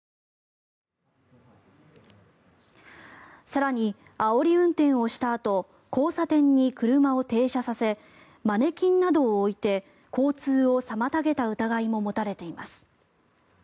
更に、あおり運転をしたあと交差点に車を停車させマネキンなどを置いて交通を妨げた疑いも持たれています。